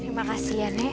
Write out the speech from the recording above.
terima kasih ya ne